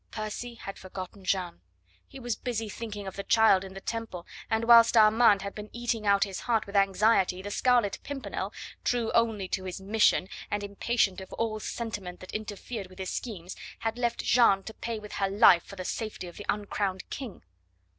Percy had forgotten Jeanne! He was busy thinking of the child in the Temple, and whilst Armand had been eating out his heart with anxiety, the Scarlet Pimpernel, true only to his mission, and impatient of all sentiment that interfered with his schemes, had left Jeanne to pay with her life for the safety of the uncrowned King.